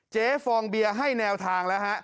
ฟองเบียร์ให้แนวทางแล้วฮะ